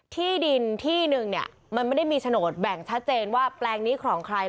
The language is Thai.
ที่ดินที่หนึ่งเนี่ยมันไม่ได้มีโฉนดแบ่งชัดเจนว่าแปลงนี้ของใคร